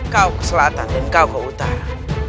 kau keselatan dan kau ke utara